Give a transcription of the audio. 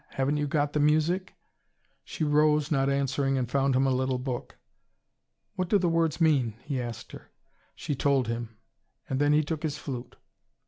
"Haven't you got the music?" She rose, not answering, and found him a little book. "What do the words mean?" he asked her. She told him. And then he took his flute.